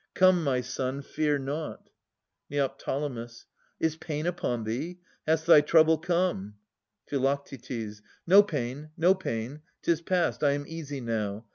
Come my son, fear nought. Neo. Is pain upon thee? Hath thy trouble come? Phi. No pain, no pain I 'Tis past ; I am easy now.